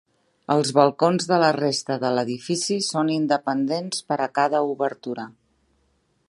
Els balcons de la resta de l'edifici són independents per a cada obertura.